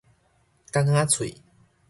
港仔喙